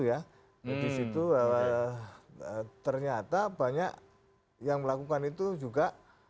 ya di situ ternyata banyak yang melakukan itu juga